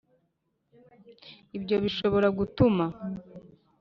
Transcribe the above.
Ibyo bishobora gutuma